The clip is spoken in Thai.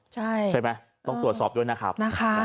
ใช่ไหมต้องตรวจสอบด้วยนะครับ